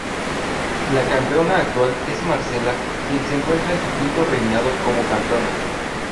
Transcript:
La campeona actual es Marcela, quien se encuentra en su quinto reinado como campeona.